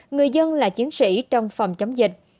người dân là chiến sĩ trong phòng chống dịch